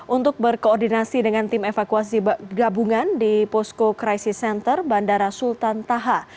untuk berkoordinasi dengan tim evakuasi gabungan di posko crisis center bandara sultan taha